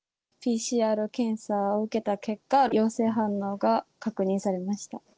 ＰＣＲ検査を受けた結果、陽性反応が確認されました。